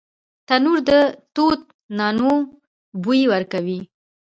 تنور د تودو نانو بوی ورکوي